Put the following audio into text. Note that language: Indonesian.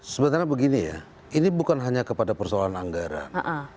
sebenarnya begini ya ini bukan hanya kepada persoalan anggaran